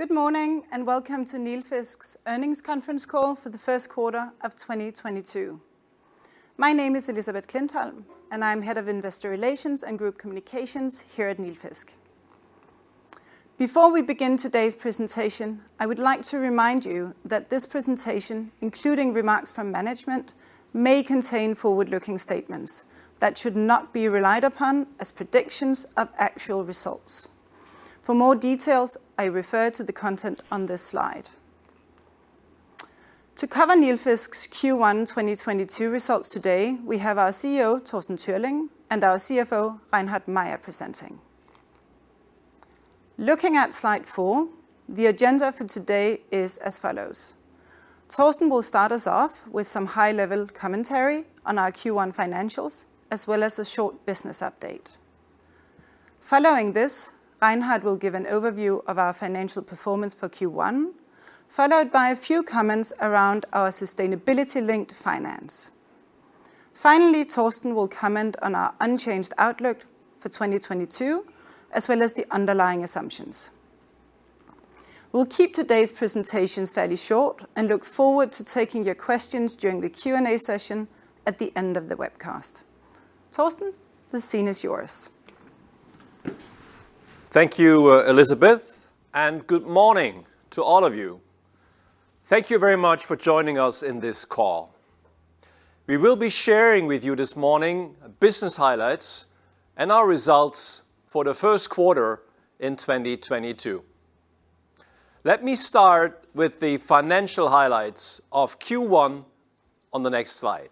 Good morning, and welcome to Nilfisk's Earnings Conference Call for the First Quarter of 2022. My name is Elisabeth Klintholm, and I'm Head of Investor Relations and Group Communications here at Nilfisk. Before we begin today's presentation, I would like to remind you that this presentation, including remarks from management, may contain forward-looking statements that should not be relied upon as predictions of actual results. For more details, I refer to the content on this slide. To cover Nilfisk's Q1 2022 results today, we have our CEO, Torsten Türling, and our CFO, Reinhard Mayer, presenting. Looking at slide four, the agenda for today is as follows. Torsten will start us off with some high-level commentary on our Q1 financials, as well as a short business update. Following this, Reinhard will give an overview of our financial performance for Q1, followed by a few comments around our sustainability-linked finance. Finally, Torsten will comment on our unchanged outlook for 2022, as well as the underlying assumptions. We'll keep today's presentation fairly short and look forward to taking your questions during the Q&A session at the end of the webcast. Torsten, the scene is yours. Thank you, Elisabeth, and good morning to all of you. Thank you very much for joining us in this call. We will be sharing with you this morning business highlights and our results for the first quarter in 2022. Let me start with the financial highlights of Q1 on the next slide.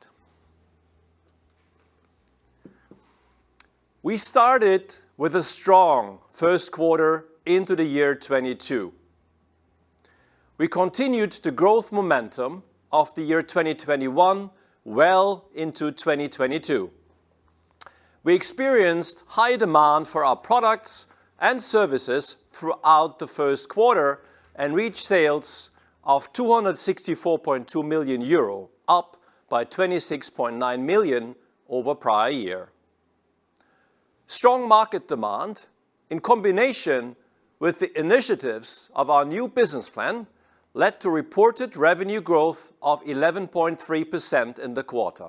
We started with a strong first quarter into the year 2022. We continued the growth momentum of the year 2021 well into 2022. We experienced high demand for our products and services throughout the first quarter and reached sales of 264.2 million euro, up by 26.9 million over prior year. Strong market demand, in combination with the initiatives of our new business plan, led to reported revenue growth of 11.3% in the quarter.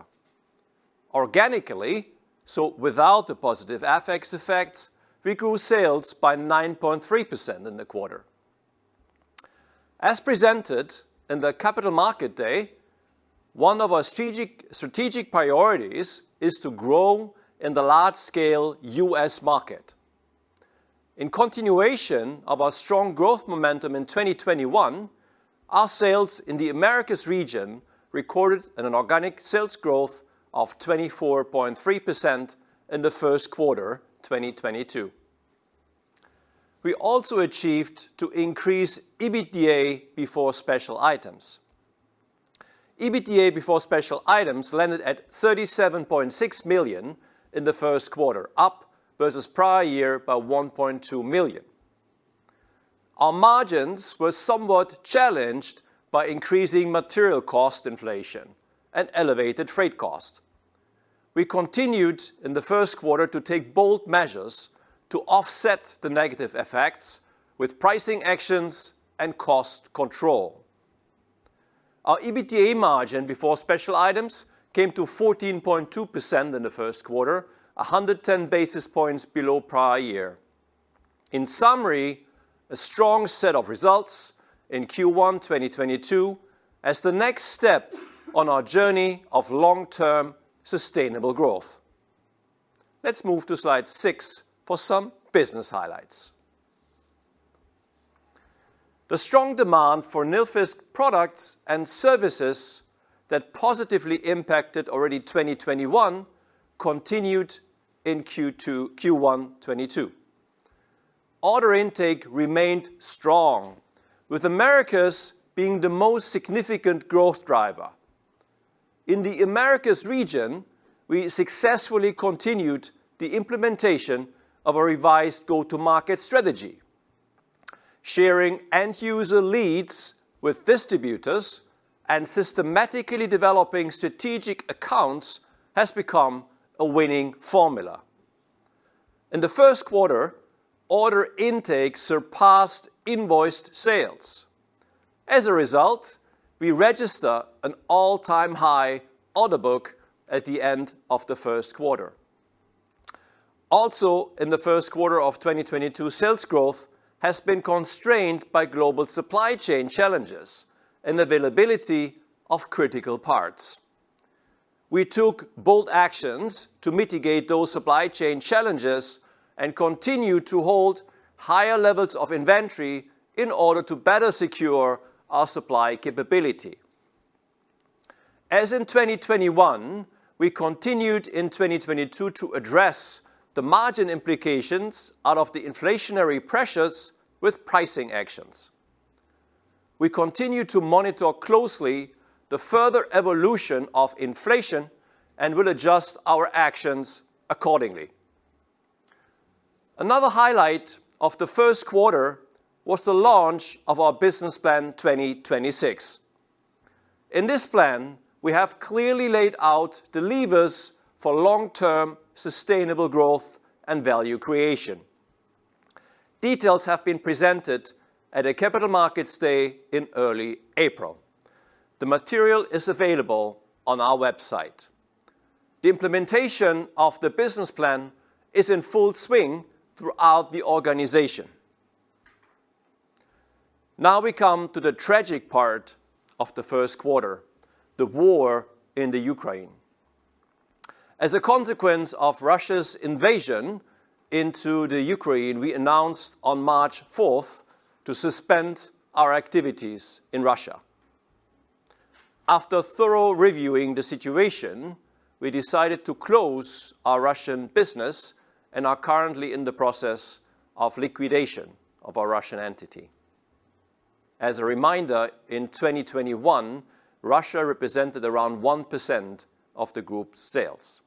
Organically, so without the positive FX effects, we grew sales by 9.3% in the quarter. As presented in the Capital Markets Day, one of our strategic priorities is to grow in the large-scale U.S. market. In continuation of our strong growth momentum in 2021, our sales in the Americas region recorded an organic sales growth of 24.3% in the first quarter 2022. We also achieved to increase EBITDA before special items. EBITDA before special items landed at 37.6 million in the first quarter, up versus prior year by 1.2 million. Our margins were somewhat challenged by increasing material cost inflation and elevated freight costs. We continued in the first quarter to take bold measures to offset the negative effects with pricing actions and cost control. Our EBITDA margin before special items came to 14.2% in the first quarter, 110 basis points below prior year. In summary, a strong set of results in Q1 2022 as the next step on our journey of long-term sustainable growth. Let's move to slide six for some business highlights. The strong demand for Nilfisk products and services that positively impacted already 2021 continued in Q1 2022. Order intake remained strong, with Americas being the most significant growth driver. In the Americas region, we successfully continued the implementation of a revised go-to-market strategy. Sharing end-user leads with distributors and systematically developing strategic accounts has become a winning formula. In the first quarter, order intake surpassed invoiced sales. As a result, we register an all-time high order book at the end of the first quarter. Also in the first quarter of 2022, sales growth has been constrained by global supply chain challenges and availability of critical parts. We took bold actions to mitigate those supply chain challenges and continue to hold higher levels of inventory in order to better secure our supply capability. As in 2021, we continued in 2022 to address the margin implications out of the inflationary pressures with pricing actions. We continue to monitor closely the further evolution of inflation and will adjust our actions accordingly. Another highlight of the first quarter was the launch of our Business Plan 2026. In this plan, we have clearly laid out the levers for long-term sustainable growth and value creation. Details have been presented at a capital markets day in early April. The material is available on our website. The implementation of the business plan is in full swing throughout the organization. Now we come to the tragic part of the first quarter, the war in Ukraine. As a consequence of Russia's invasion into Ukraine, we announced on March fourth to suspend our activities in Russia. After thorough reviewing the situation, we decided to close our Russian business and are currently in the process of liquidation of our Russian entity. As a reminder, in 2021, Russia represented around 1% of the group sales.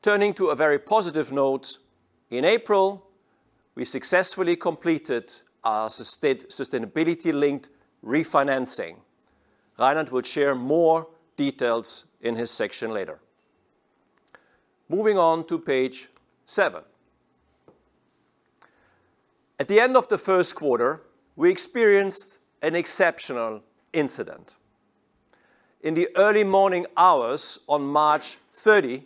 Turning to a very positive note, in April, we successfully completed our sustainability linked refinancing. Reinhard would share more details in his section later. Moving on to page seven. At the end of the first quarter, we experienced an exceptional incident. In the early morning hours on March thirty,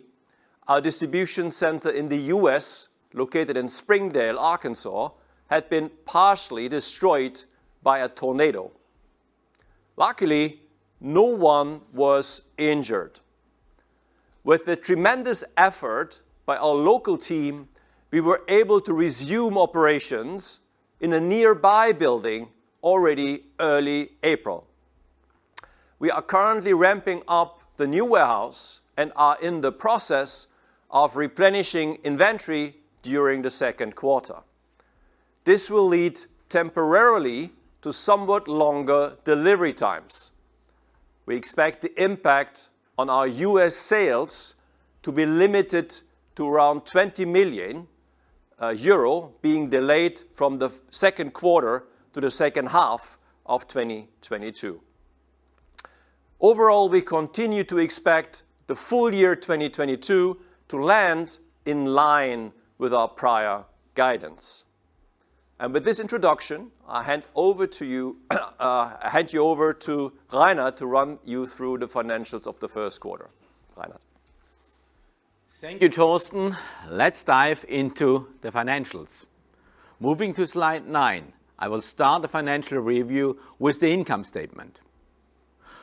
our distribution center in the U.S., located in Springdale, Arkansas, had been partially destroyed by a tornado. Luckily, no one was injured. With the tremendous effort by our local team, we were able to resume operations in a nearby building already early April. We are currently ramping up the new warehouse and are in the process of replenishing inventory during the second quarter. This will lead temporarily to somewhat longer delivery times. We expect the impact on our U.S. sales to be limited to around 20 million euro being delayed from the second quarter to the second half of 2022. Overall, we continue to expect the full year 2022 to land in line with our prior guidance. With this introduction, I hand you over to Reinhard to run you through the financials of the first quarter. Reinhard. Thank you, Torsten. Let's dive into the financials. Moving to slide nine, I will start the financial review with the income statement.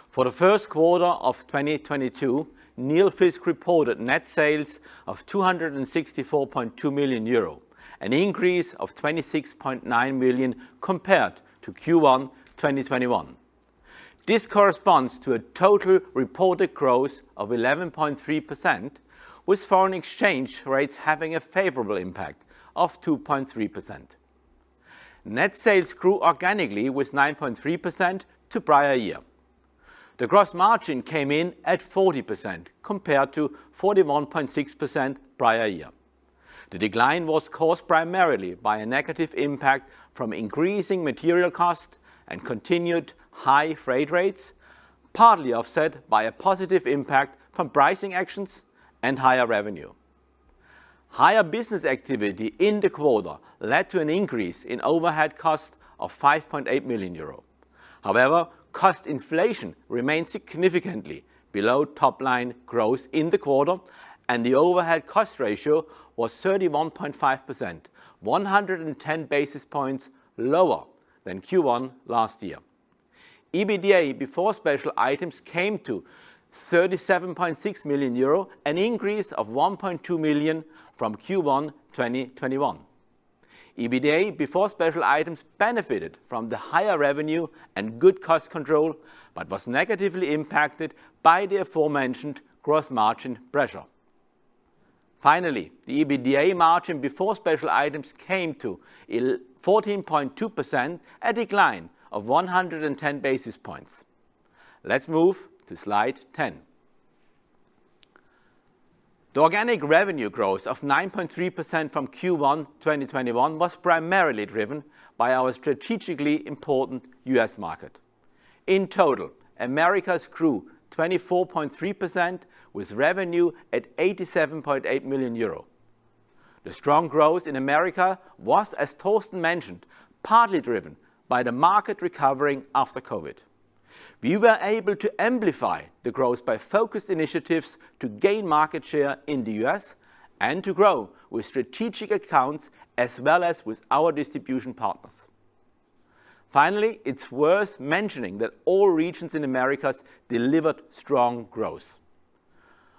For the first quarter of 2022, Nilfisk reported net sales of 264.2 million euro, an increase of 26.9 million compared to Q1 2021. This corresponds to a total reported growth of 11.3%, with foreign exchange rates having a favorable impact of 2.3%. Net sales grew organically with 9.3% to prior year. The gross margin came in at 40% compared to 41.6% prior year. The decline was caused primarily by a negative impact from increasing material cost and continued high freight rates, partly offset by a positive impact from pricing actions and higher revenue. Higher business activity in the quarter led to an increase in overhead costs of 5.8 million euro. However, cost inflation remains significantly below top line growth in the quarter, and the overhead cost ratio was 31.5%, 110 basis points lower than Q1 last year. EBITDA before special items came to 37.6 million euro, an increase of 1.2 million from Q1 2021. EBITDA before special items benefited from the higher revenue and good cost control, but was negatively impacted by the aforementioned gross margin pressure. Finally, the EBITDA margin before special items came to fourteen point two percent, a decline of 110 basis points. Let's move to slide 10. The organic revenue growth of 9.3% from Q1 2021 was primarily driven by our strategically important U.S. market. In total, Americas grew 24.3% with revenue at 87.8 million euro. The strong growth in America was, as Torsten mentioned, partly driven by the market recovering after COVID. We were able to amplify the growth by focused initiatives to gain market share in the U.S. and to grow with strategic accounts as well as with our distribution partners. Finally, it's worth mentioning that all regions in Americas delivered strong growth.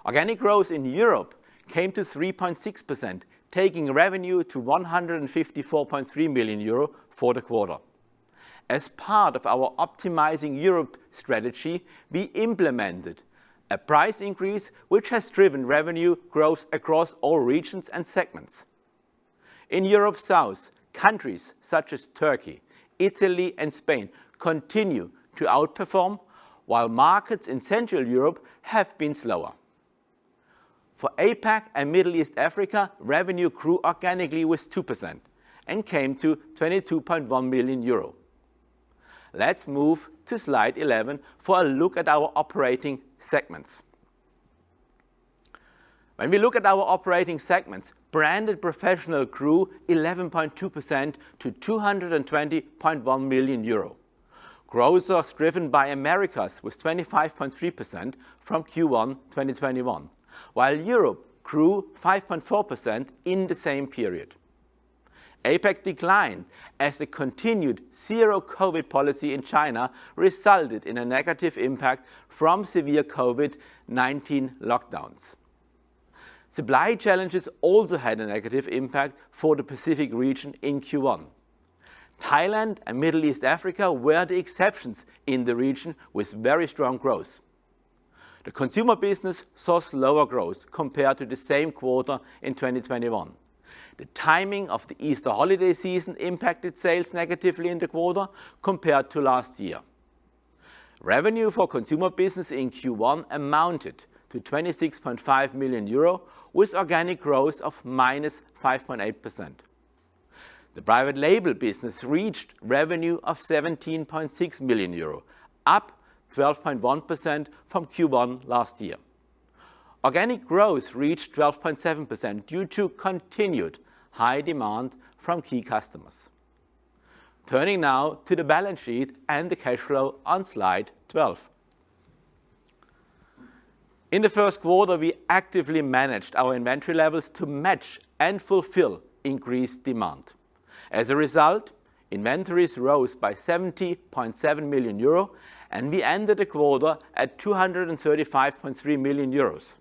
Organic growth in Europe came to 3.6%, taking revenue to 154.3 million euro for the quarter. As part of our Optimizing Europe strategy, we implemented a price increase, which has driven revenue growth across all regions and segments. In Europe South, countries such as Turkey, Italy, and Spain continue to outperform, while markets in Central Europe have been slower. For APAC and Middle East Africa, revenue grew organically with 2% and came to 22.1 million euro. Let's move to slide 11 for a look at our operating segments. When we look at our operating segments, Branded Professional grew 11.2% to 220.1 million euro. Growth was driven by Americas with 25.3% from Q1 2021, while Europe grew 5.4% in the same period. APAC declined as the continued zero-COVID policy in China resulted in a negative impact from severe COVID-19 lockdowns. Supply challenges also had a negative impact for the Pacific region in Q1. Thailand and Middle East Africa were the exceptions in the region with very strong growth. The consumer business saw slower growth compared to the same quarter in 2021. The timing of the Easter holiday season impacted sales negatively in the quarter compared to last year. Revenue for consumer business in Q1 amounted to 26.5 million euro, with organic growth of -5.8%. The private label business reached revenue of 17.6 million euro, up 12.1% from Q1 last year. Organic growth reached 12.7% due to continued high demand from key customers. Turning now to the balance sheet and the cash flow on slide 12. In the first quarter, we actively managed our inventory levels to match and fulfill increased demand. As a result, inventories rose by 70.7 million euro, and we ended the quarter at 235.3 million euros.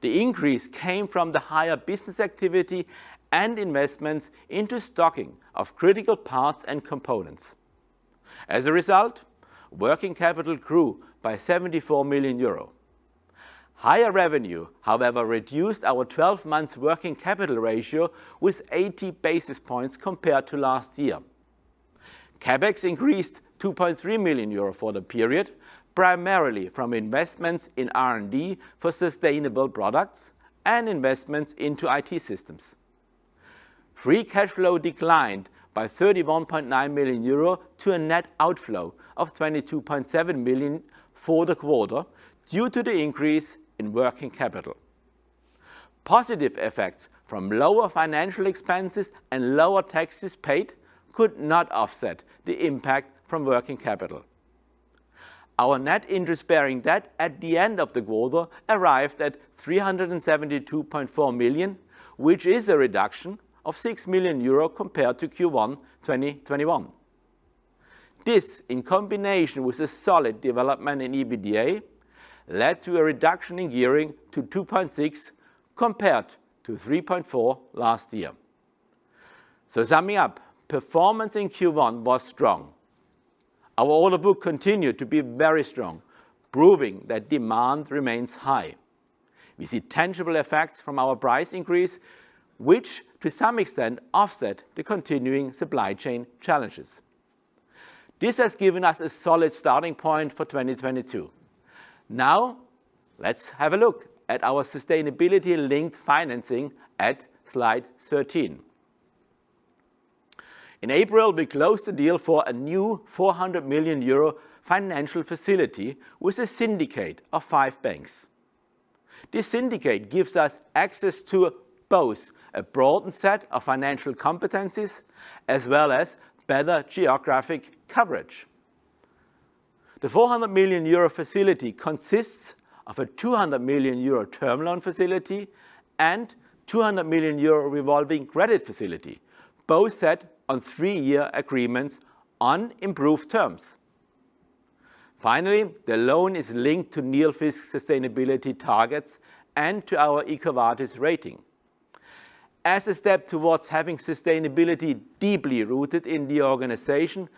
The increase came from the higher business activity and investments into stocking of critical parts and components. As a result, working capital grew by 74 million euro. Higher revenue, however, reduced our 12 month working capital ratio with 80 basis points compared to last year. CapEx increased 2.3 million euro for the period, primarily from investments in R&D for sustainable products and investments into IT systems. Free cash flow declined by 31.9 million euro to a net outflow of 22.7 million for the quarter, due to the increase in working capital. Positive effects from lower financial expenses and lower taxes paid could not offset the impact from working capital. Our net interest-bearing debt at the end of the quarter arrived at 372.4 million, which is a reduction of 6 million euro compared to Q1 2021. This, in combination with a solid development in EBITDA, led to a reduction in gearing to 2.6, compared to 3.4 last year. Summing up, performance in Q1 was strong. Our order book continued to be very strong, proving that demand remains high. We see tangible effects from our price increase, which to some extent offset the continuing supply chain challenges. This has given us a solid starting point for 2022. Now, let's have a look at our sustainability-linked financing at slide 13. In April, we closed the deal for a new 400 million euro financial facility with a syndicate of five banks. This syndicate gives us access to both a broadened set of financial competencies as well as better geographic coverage. The 400 million euro facility consists of a 200 million euro term loan facility and 200 million euro revolving credit facility, both set on three year agreements on improved terms. Finally, the loan is linked to Nilfisk sustainability targets and to our EcoVadis rating. As a step towards having sustainability deeply rooted in the organization,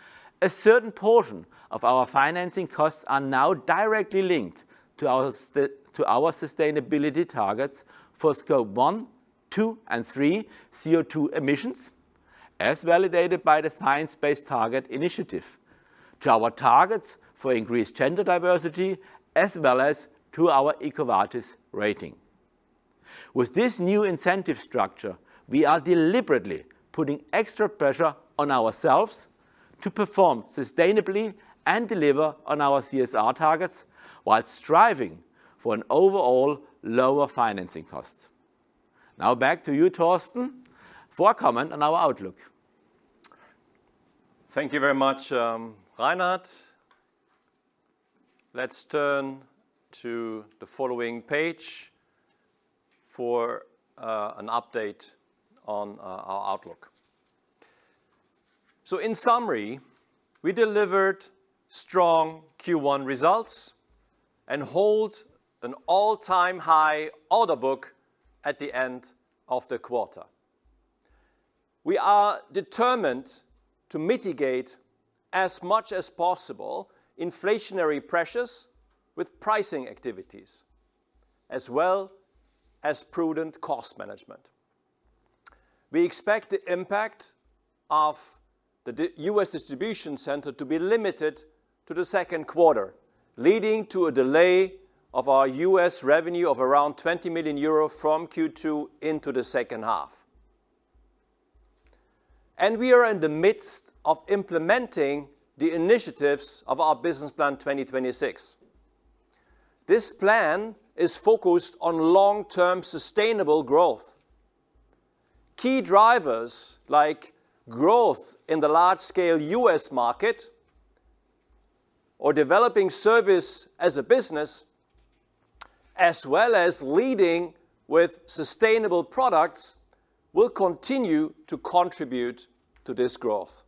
a certain portion of our financing costs are now directly linked to our sustainability targets for Scope 1, 2, and 3 CO2 emissions, as validated by the Science Based Targets initiative, to our targets for increased gender diversity, as well as to our EcoVadis rating. With this new incentive structure, we are deliberately putting extra pressure on ourselves to perform sustainably and deliver on our CSR targets while striving for an overall lower financing cost. Now back to you, Torsten, for a comment on our outlook. Thank you very much, Reinhard. Let's turn to the following page for an update on our outlook. In summary, we delivered strong Q1 results and hold an all-time high order book at the end of the quarter. We are determined to mitigate as much as possible inflationary pressures with pricing activities as well as prudent cost management. We expect the impact of the U.S. distribution center to be limited to the second quarter, leading to a delay of our U.S. revenue of around 20 million euro from Q2 into the second half. We are in the midst of implementing the initiatives of our Business Plan 2026. This plan is focused on long-term sustainable growth. Key drivers like growth in the large scale U.S. market or developing service as a business as well as leading with sustainable products will continue to contribute to this growth.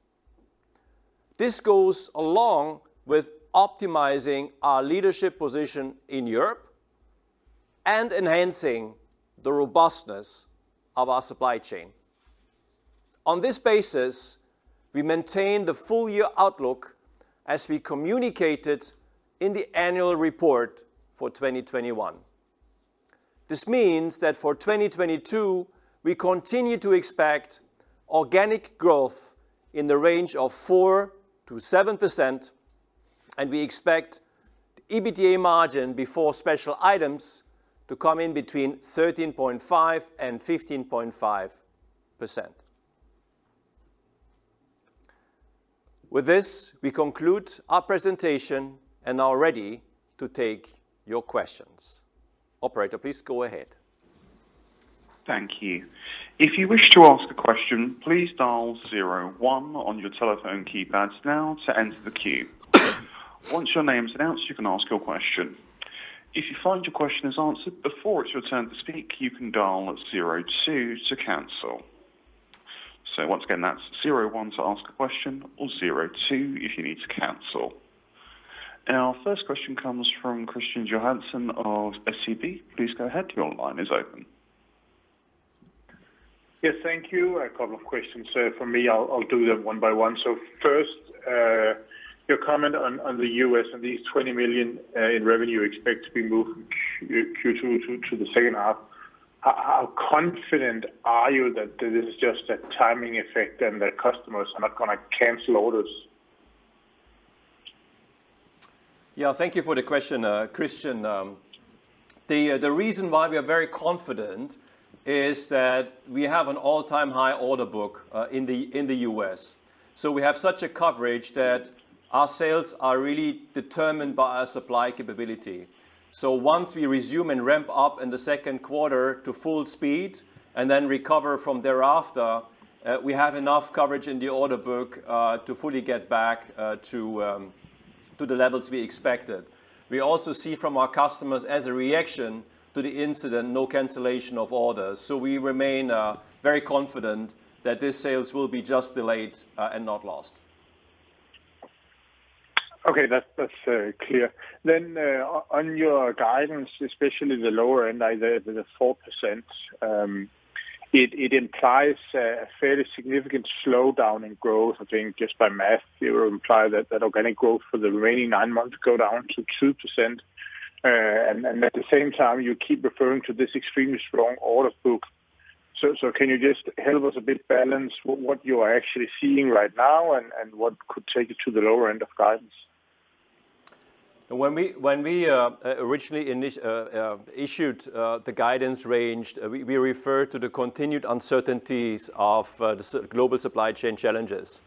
This goes along with optimizing our leadership position in Europe and enhancing the robustness of our supply chain. On this basis, we maintain the full year outlook as we communicated in the annual report for 2021. This means that for 2022, we continue to expect organic growth in the range of 4% to 7%, and we expect EBITDA margin before special items to come in between 13.5% and 15.5%. With this, we conclude our presentation and are ready to take your questions. Operator, please go ahead. Thank you. If you wish to ask a question, please dial zero, one on your telephone keypads now to enter the queue. Once your name's announced, you can ask your question. If you find your question is answered before it's your turn to speak, you can dial zero, two to cancel. So once again, that's zero, one to ask a question or zero, two if you need to cancel. Our first question comes from Kristian Johansen of SEB. Please go ahead. Your line is open. Yes, thank you. A couple of questions from me. I'll do them one by one. First, your comment on the U.S. and these 20 million in revenue you expect to be moving Q2 to the second half. How confident are you that this is just a timing effect and that customers are not gonna cancel orders? Yeah. Thank you for the question, Kristian. The reason why we are very confident is that we have an all-time high order book in the U.S. We have such a coverage that our sales are really determined by our supply capability. Once we resume and ramp up in the second quarter to full speed and then recover from thereafter, we have enough coverage in the order book to fully get back to the levels we expected. We also see from our customers as a reaction to the incident, no cancellation of orders. We remain very confident that these sales will be just delayed and not lost. Okay. That's clear. On your guidance, especially the lower end, either the 4%, it implies a fairly significant slowdown in growth. I think just by math, it would imply that organic growth for the remaining nine months go down to 2%. At the same time, you keep referring to this extremely strong order book. Can you just help us a bit balance what you are actually seeing right now and what could take you to the lower end of guidance? When we originally issued the guidance range, we referred to the continued uncertainties of the global supply chain challenges.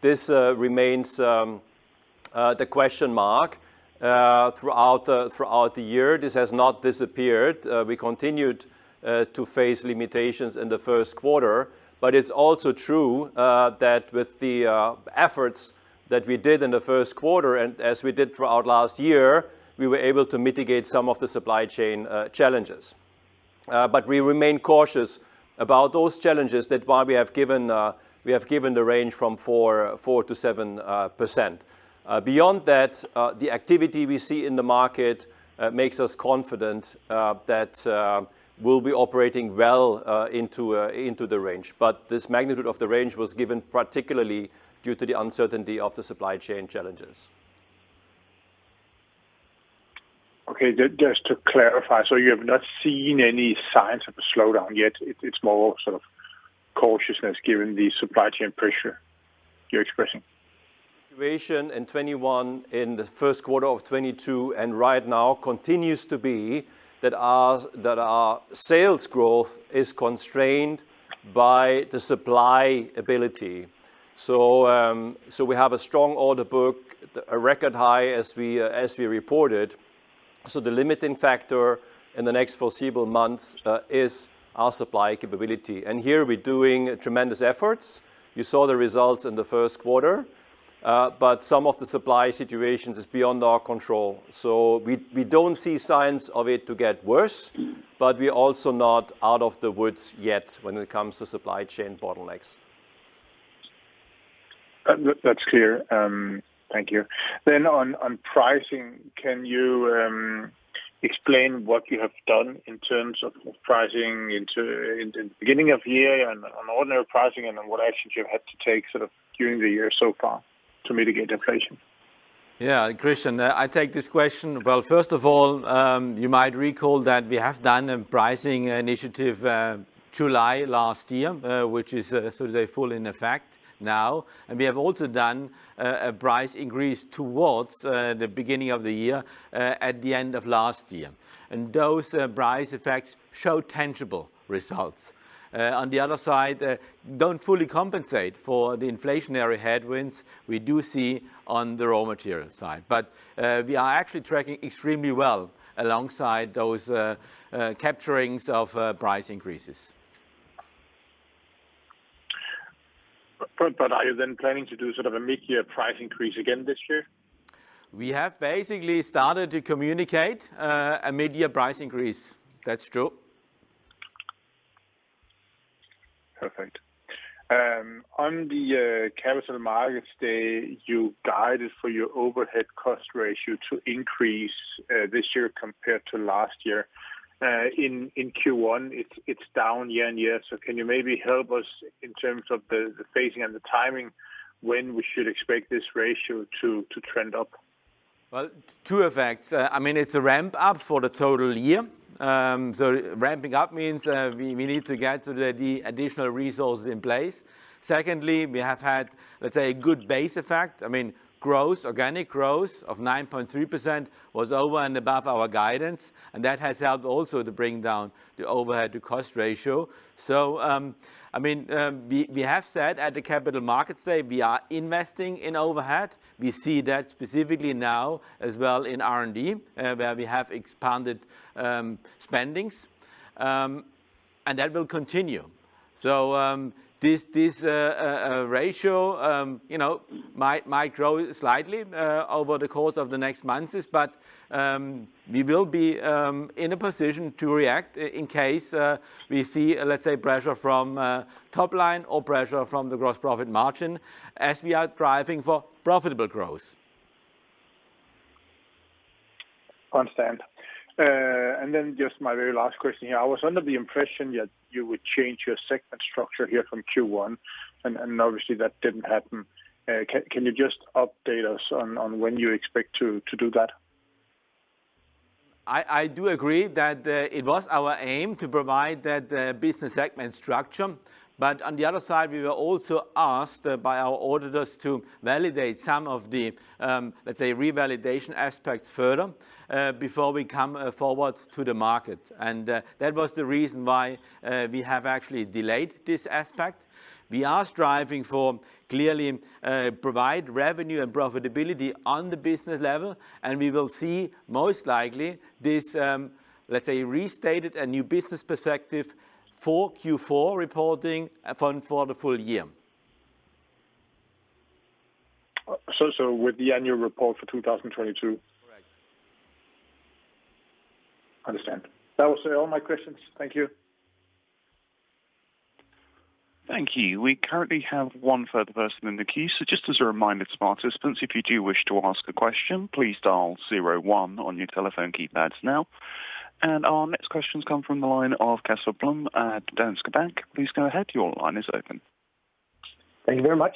This remains the question mark. Throughout the year, this has not disappeared. We continued to face limitations in the first quarter, but it's also true that with the efforts that we did in the first quarter and as we did throughout last year, we were able to mitigate some of the supply chain challenges. We remain cautious about those challenges. That's why we have given the range from 4% to 7%. Beyond that, the activity we see in the market makes us confident that we'll be operating well into the range. This magnitude of the range was given particularly due to the uncertainty of the supply chain challenges. Okay. Just to clarify, you have not seen any signs of a slowdown yet. It's more sort of cautiousness given the supply chain pressure you're expressing? Situation in 2021, in the first quarter of 2022 and right now continues to be that our sales growth is constrained by the supply ability. We have a strong order book, a record high as we reported. The limiting factor in the next foreseeable months is our supply capability. Here, we're doing tremendous efforts. You saw the results in the first quarter, but some of the supply situations is beyond our control. We don't see signs of it to get worse, but we're also not out of the woods yet when it comes to supply chain bottlenecks. That's clear. Thank you. On pricing, can you explain what you have done in terms of pricing in the beginning of year on ordinary pricing and then what actions you've had to take sort of during the year so far to mitigate inflation? Yeah, Kristian, I take this question. Well, first of all, you might recall that we have done a pricing initiative, July last year, which is sort of fully in effect now. We have also done a price increase towards the beginning of the year, at the end of last year. Those price effects show tangible results. On the other side, don't fully compensate for the inflationary headwinds we do see on the raw material side. We are actually tracking extremely well alongside those captures of price increases. Are you then planning to do sort of a mid-year price increase again this year? We have basically started to communicate a mid-year price increase. That's true. Perfect. On the Capital Markets Day, you guided for your overhead cost ratio to increase this year compared to last year. In Q1, it's down year-on-year. Can you maybe help us in terms of the phasing and the timing, when we should expect this ratio to trend up? Well, two effects. I mean, it's a ramp up for the total year. So ramping up means we need to get the additional resources in place. Secondly, we have had, let's say, a good base effect. I mean, growth, organic growth of 9.3% was over and above our guidance, and that has helped also to bring down the overhead to cost ratio. So, I mean, we have said at the Capital Markets Day, we are investing in overhead. We see that specifically now as well in R&D, where we have expanded spending. And that will continue. So, this ratio, you know, might grow slightly over the course of the next months. We will be in a position to react in case we see, let's say, pressure from top line or pressure from the gross profit margin as we are driving for profitable growth. Understand. Just my very last question here. I was under the impression that you would change your segment structure here from Q1, and obviously that didn't happen. Can you just update us on when you expect to do that? I do agree that it was our aim to provide that business segment structure. On the other side, we were also asked by our auditors to validate some of the, let's say, revalidation aspects further before we come forward to the market. That was the reason why we have actually delayed this aspect. We are striving for clearly provide revenue and profitability on the business level, and we will see most likely this, let's say, restated a new business perspective for Q4 reporting and for the full year. With the annual report for 2022? Correct. Understand. That was all my questions. Thank you. Thank you. We currently have one further person in the queue. Just as a reminder to participants, if you do wish to ask a question, please dial zero, One on your telephone keypads now. Our next question's come from the line of Casper Blom at Danske Bank. Please go ahead. Your line is open. Thank you very much.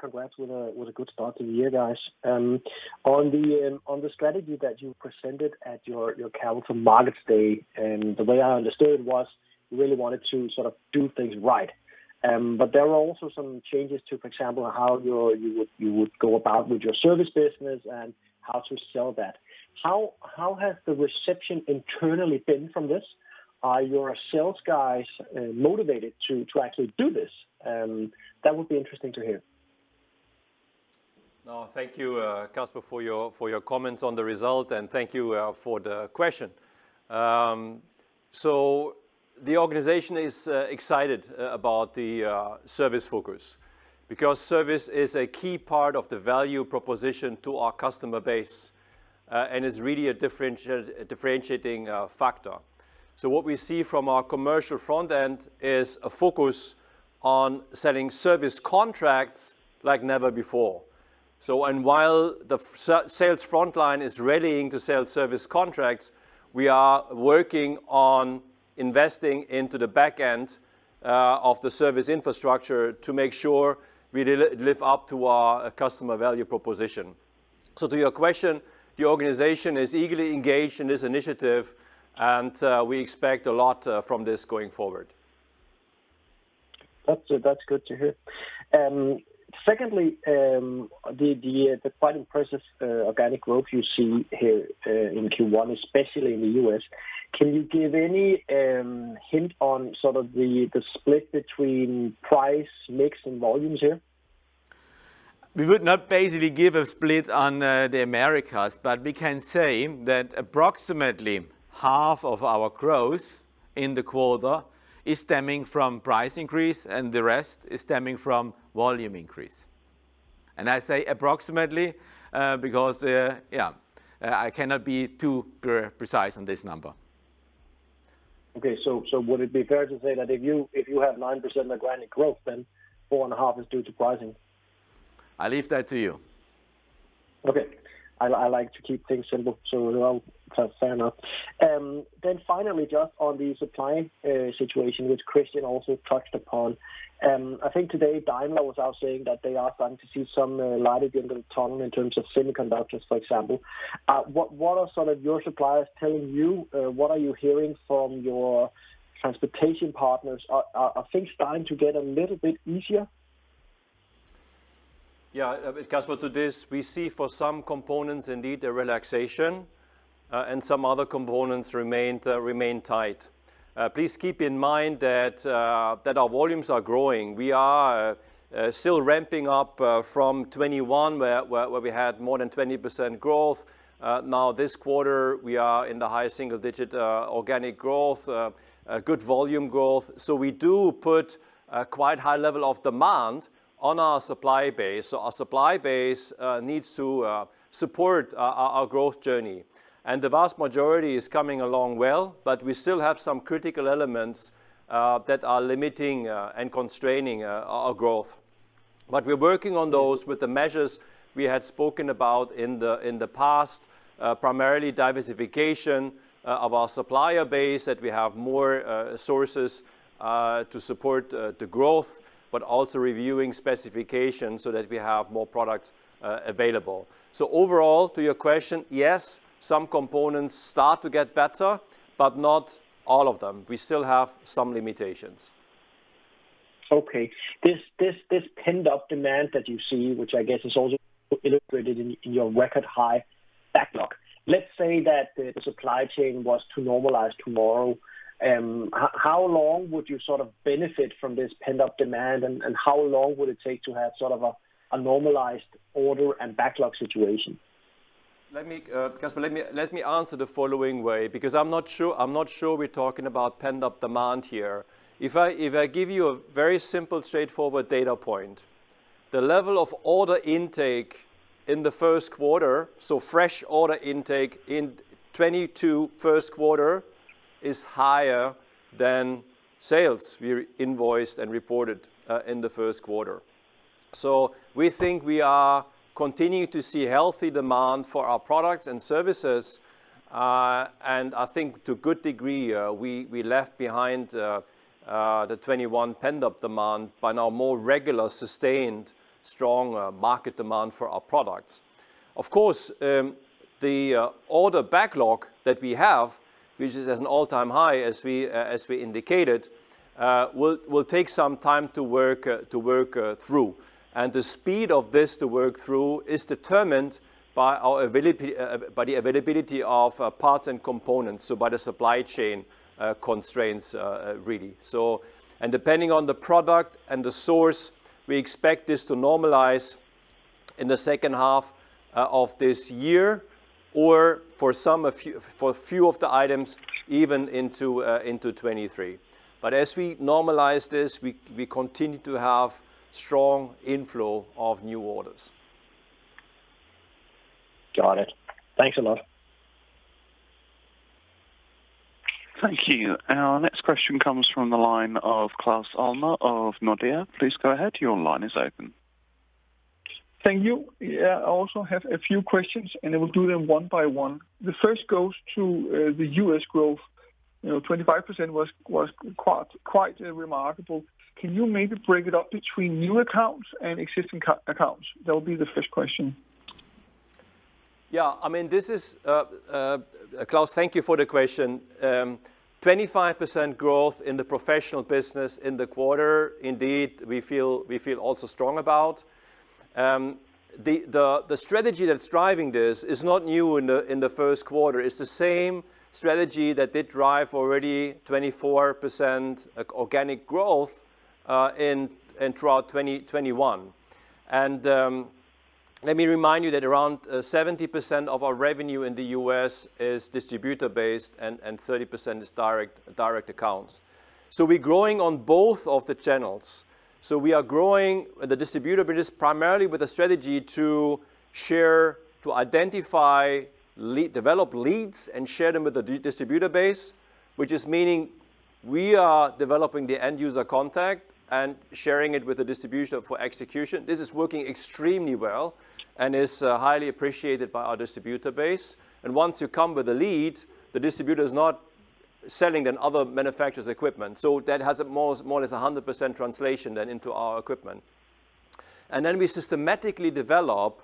Congrats with a good start to the year, guys. On the strategy that you presented at your Capital Markets Day, the way I understood was you really wanted to sort of do things right. There were also some changes to, for example, how you would go about with your service business and how to sell that. How has the reception internally been from this? Are your sales guys motivated to actually do this? That would be interesting to hear. No, thank you, Casper, for your comments on the result, and thank you for the question. The organization is excited about the service focus because service is a key part of the value proposition to our customer base, and is really a differentiating factor. What we see from our commercial front end is a focus on selling service contracts like never before. While the sales front line is readying to sell service contracts, we are working on investing into the back end of the service infrastructure to make sure we live up to our customer value proposition. To your question, the organization is eagerly engaged in this initiative, and we expect a lot from this going forward. That's good to hear. Secondly, the pricing organic growth you see here in Q1, especially in the U.S., can you give any hint on sort of the split between price mix and volumes here? We would not basically give a split on the Americas, but we can say that approximately half of our growth in the quarter is stemming from price increase, and the rest is stemming from volume increase. I say approximately, because I cannot be too precise on this number. Okay. Would it be fair to say that if you have 9% organic growth, then 4.5% is due to pricing? I leave that to you. Okay. I like to keep things simple. Fair enough. Finally, just on the supply situation, which Kristian also touched upon, I think today Daimler was out saying that they are starting to see some light at the end of the tunnel in terms of semiconductors, for example. What are sort of your suppliers telling you? What are you hearing from your transportation partners? Are things starting to get a little bit easier? Yeah. Casper, to this, we see for some components indeed a relaxation, and some other components remain tight. Please keep in mind that our volumes are growing. We are still ramping up from 2021, where we had more than 20% growth. Now this quarter we are in the high single digit organic growth, a good volume growth. So we do put a quite high level of demand on our supply base. So our supply base needs to support our growth journey. The vast majority is coming along well, but we still have some critical elements that are limiting and constraining our growth. We're working on those with the measures we had spoken about in the past, primarily diversification of our supplier base, that we have more sources to support the growth, but also reviewing specifications so that we have more products available. Overall, to your question, yes, some components start to get better, but not all of them. We still have some limitations. Okay. This pent-up demand that you see, which I guess is also illustrated in your record high backlog. Let's say that the supply chain was to normalize tomorrow, how long would you sort of benefit from this pent-up demand and how long would it take to have sort of a normalized order and backlog situation? Let me, Casper, answer the following way because I'm not sure we're talking about pent-up demand here. If I give you a very simple straightforward data point, the level of order intake in the first quarter, so fresh order intake in 2022 first quarter, is higher than sales we invoiced and reported in the first quarter. We think we are continuing to see healthy demand for our products and services. I think to a good degree, we left behind the 2021 pent-up demand by now more regular, sustained, strong market demand for our products. Of course, the order backlog that we have, which is at an all-time high, as we indicated, will take some time to work through. The speed of this to work through is determined by our availability, by the availability of parts and components, so by the supply chain constraints, really. Depending on the product and the source, we expect this to normalize in the second half of this year or for a few of the items, even into 2023. As we normalize this, we continue to have strong inflow of new orders. Got it. Thanks a lot. Thank you. Our next question comes from the line of Claus Almer of Nordea. Please go ahead, your line is open. Thank you. Yeah, I also have a few questions, and I will do them one by one. The first goes to the U.S. growth. You know, 25% was quite remarkable. Can you maybe break it up between new accounts and existing customer accounts? That would be the first question. Yeah. I mean, this is, Claus, thank you for the question. 25% growth in the professional business in the quarter, indeed, we feel also strong about. The strategy that's driving this is not new in the first quarter. It's the same strategy that did drive already 24% organic growth throughout 2021. Let me remind you that around 70% of our revenue in the U.S. is distributor-based and 30% is direct accounts. We're growing on both of the channels. We are growing the distributor business primarily with a strategy to identify leads, develop leads and share them with the distributor base, which means we are developing the end user contact and sharing it with the distributor for execution. This is working extremely well and is highly appreciated by our distributor base. Once you come with a lead, the distributor is not selling another manufacturer's equipment. That has more or less a 100% translation then into our equipment. Then we systematically develop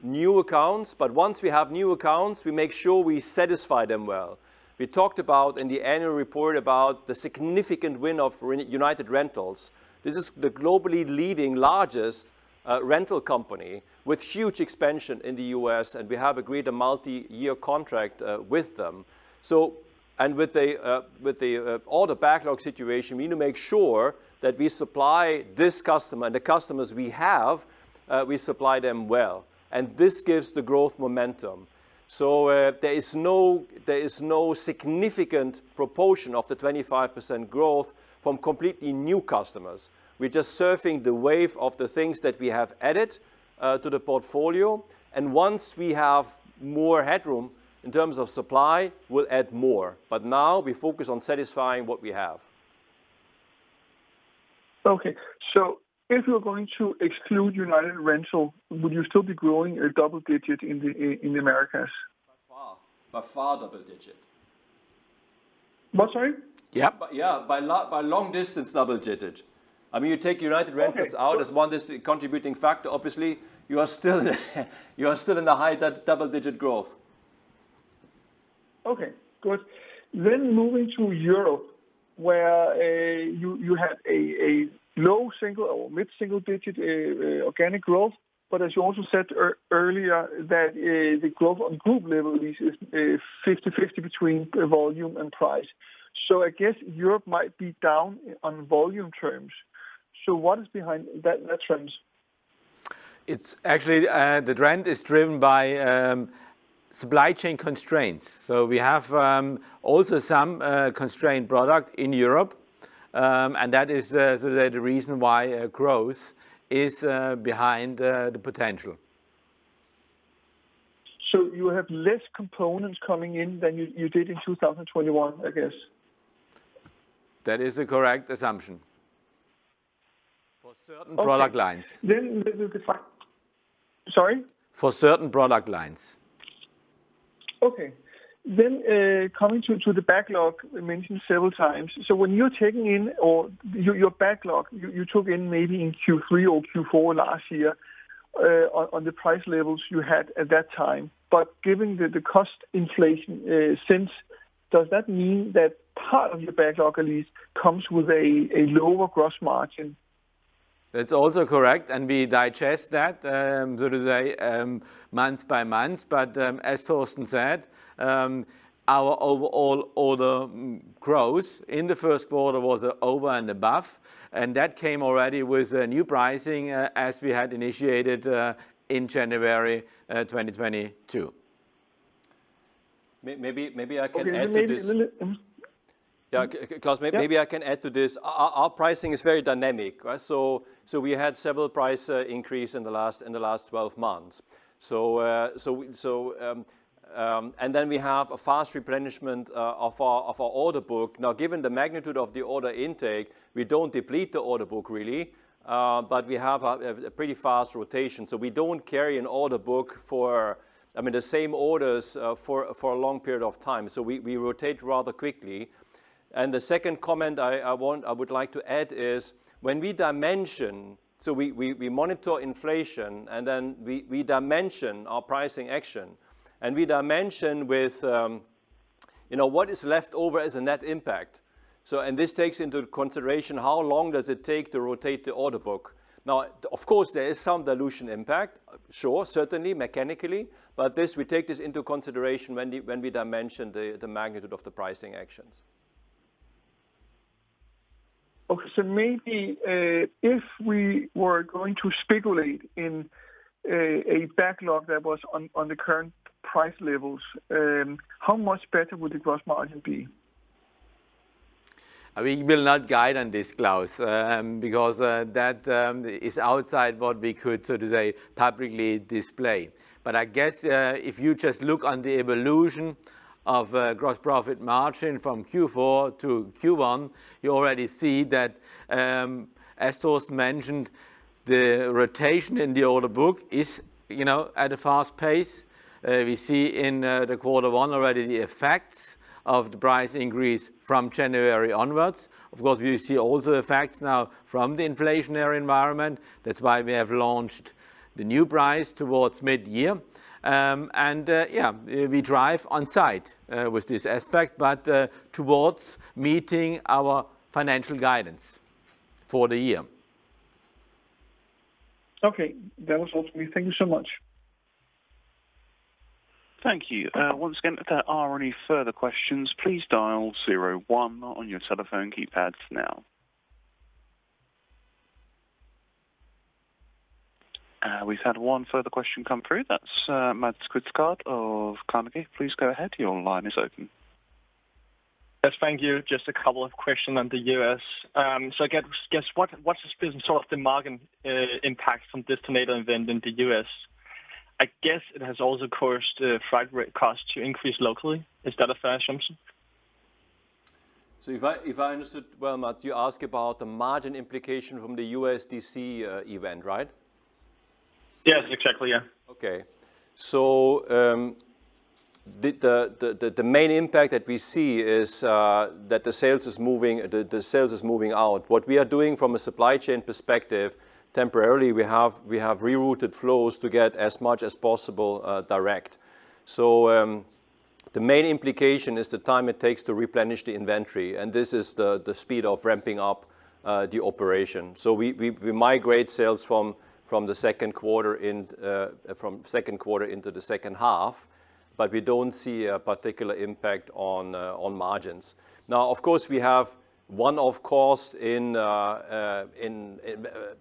new accounts. Once we have new accounts, we make sure we satisfy them well. We talked about in the annual report about the significant win of United Rentals. This is the world's largest rental company with huge expansion in the U.S., and we have agreed a multi-year contract with them. With the order backlog situation, we need to make sure that we supply this customer and the customers we have, we supply them well. This gives the growth momentum. There is no significant proportion of the 25% growth from completely new customers. We're just surfing the wave of the things that we have added to the portfolio. Once we have more headroom in terms of supply, we'll add more. Now we focus on satisfying what we have. Okay. If you're going to exclude United Rentals, would you still be growing a double digit in the Americas? By far double digit. I'm sorry? Yeah. By long distance double digit. I mean, you take United Rentals contributing factor, obviously. You are still in the high double-digit growth. Okay, good. Moving to Europe, where you had a low single or mid-single digit organic growth. As you also said earlier, that the growth on group level is 50/50 between volume and price. I guess Europe might be down on volume terms. What is behind that trend? It's actually the trend is driven by supply chain constraints. We have also some constrained product in Europe. That is the reason why growth is behind the potential. You have less components coming in than you did in 2021, I guess? That is a correct assumption for certain product lines. Okay. Sorry? For certain product lines. Coming to the backlog you mentioned several times. When you're taking in or your backlog, you took in maybe in Q3 or Q4 last year, on the price levels you had at that time. Given the cost inflation since, does that mean that part of your backlog at least comes with a lower gross margin? That's also correct, and we digest that, so to say, month by month. As Torsten said, our overall order growth in the first quarter was over and above, and that came already with new pricing, as we had initiated, in January 2022. Maybe I can add to this. Okay. Maybe a little. Yeah. Claus, maybe I can add to this. Our pricing is very dynamic, right? We had several price increase in the last 12 months. We have a fast replenishment of our order book. Now, given the magnitude of the order intake, we don't deplete the order book really, but we have a pretty fast rotation. We don't carry an order book for, I mean, the same orders, for a long period of time. We rotate rather quickly. The second comment I would like to add is when we dimension, we monitor inflation and then we dimension our pricing action. We dimension with, you know, what is left over as a net impact. This takes into consideration how long does it take to rotate the order book. Now, of course, there is some dilution impact, sure, certainly mechanically, but this, we take this into consideration when we dimension the magnitude of the pricing actions. Okay. Maybe if we were going to speculate in a backlog that was on the current price levels, how much better would the gross margin be? We will not guide on this, Claus, because that is outside what we could, so to say, publicly display. I guess if you just look on the evolution of gross profit margin from Q4 to Q1, you already see that, as Torsten mentioned, the rotation in the order book is, you know, at a fast pace. We see in the quarter one already the effects of the price increase from January onwards. Of course, we see also effects now from the inflationary environment. That's why we have launched the new price towards mid-year. Yeah, we drive on site with this aspect, but towards meeting our financial guidance for the year. Okay. That was all for me. Thank you so much. Thank you. Once again, if there are any further questions, please dial zero one on your cellphone keypads now. We've had one further question come through. That's Mads Quistgaard of Carnegie. Please go ahead. Your line is open. Yes. Thank you. Just a couple of questions on the U.S. I guess what's the sort of the margin impact from this tornado event in the U.S. I guess it has also caused freight rate costs to increase locally. Is that a fair assumption? If I understood well, Mads, you ask about the margin implication from the USDC event, right? Yes. Exactly, yeah. The main impact that we see is that the sales is moving out. What we are doing from a supply chain perspective, temporarily, we have rerouted flows to get as much as possible direct. The main implication is the time it takes to replenish the inventory, and this is the speed of ramping up the operation. We migrate sales from second quarter into the second half, but we don't see a particular impact on margins. Now, of course, we have one-off cost in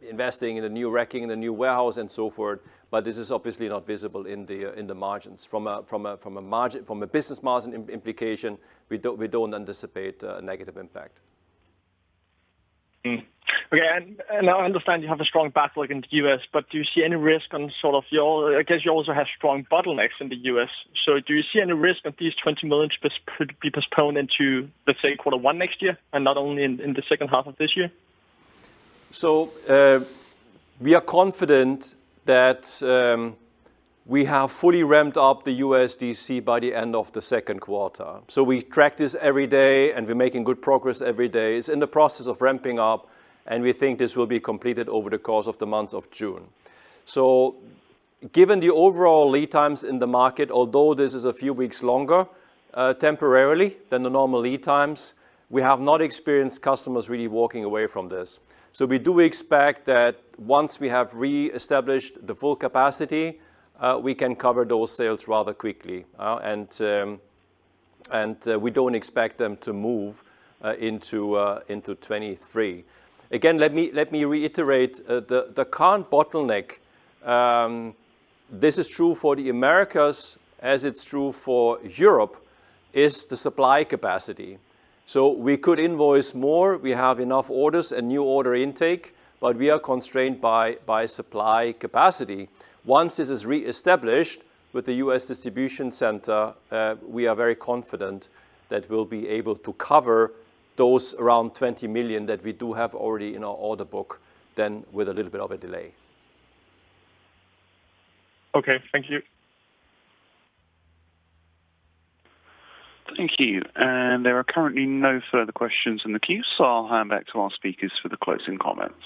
investing in the new racking and the new warehouse and so forth, but this is obviously not visible in the margins. From a business margin implication, we don't anticipate a negative impact. I understand you have a strong backlog in the U.S., but do you see any risk on sort of your, I guess you also have strong bottlenecks in the U.S. Do you see any risk that these 20 million could be postponed into, let's say, quarter one next year and not only in the second half of this year? We are confident that we have fully ramped up the USDC by the end of the second quarter. We track this every day, and we're making good progress every day. It's in the process of ramping up, and we think this will be completed over the course of the month of June. Given the overall lead times in the market, although this is a few weeks longer temporarily than the normal lead times, we have not experienced customers really walking away from this. We do expect that once we have reestablished the full capacity, we can cover those sales rather quickly. We don't expect them to move into 2023. Again, let me reiterate, the current bottleneck, this is true for the Americas as it's true for Europe, is the supply capacity. We could invoice more, we have enough orders and new order intake, but we are constrained by supply capacity. Once this is reestablished with the U.S. distribution center, we are very confident that we'll be able to cover those around 20 million that we do have already in our order book and with a little bit of a delay. Okay. Thank you. Thank you. There are currently no further questions in the queue, so I'll hand back to our speakers for the closing comments.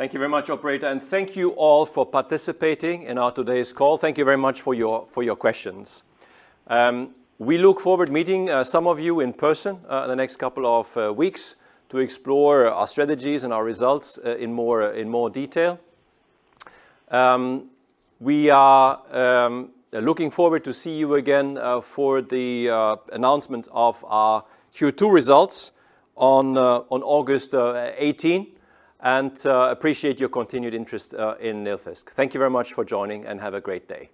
Thank you very much, operator, and thank you all for participating in our today's call. Thank you very much for your questions. We look forward meeting some of you in person in the next couple of weeks to explore our strategies and our results in more detail. We are looking forward to see you again for the announcement of our Q2 results on August 18. Appreciate your continued interest in Nilfisk. Thank you very much for joining, and have a great day.